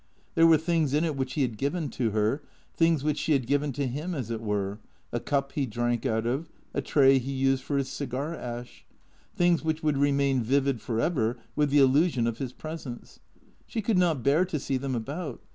There were things in it which he had given to her, things which she had given to him, as it were; a cup he drank out of, a tray he used for his cigar ash; things which would remain vivid for ever with the illusion of his presence. She could not bear to see them about.